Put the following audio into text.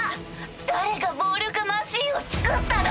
誰が暴力マシンを造ったの？